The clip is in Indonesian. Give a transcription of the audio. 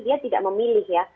dia tidak memilih ya